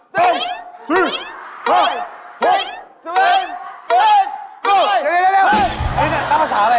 เดี๋ยวนั่งภาษาอะไร